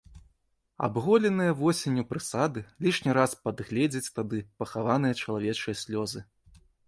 Абголеныя восенню прысады лішні раз падгледзяць тады пахаваныя чалавечыя слёзы.